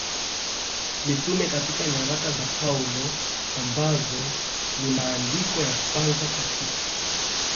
mitume Katika nyaraka za Paulo ambazo ni maandiko ya kwanza katika